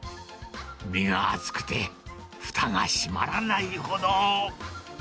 身が厚くて、ふたが閉まらないほど。